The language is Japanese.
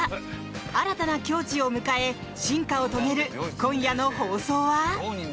新たな境地を迎え、進化を遂げる今夜の放送は。